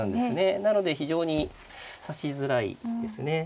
なので非常に指しづらいですね。